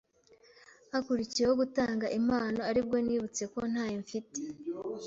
Hakurikiyeho gutanga impano aribwo nibutse ko ntayo mfite